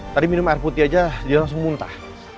tadi minum air putih aja dia langsung muntah